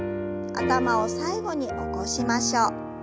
頭を最後に起こしましょう。